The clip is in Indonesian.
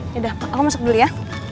yaudah aku masuk beli ya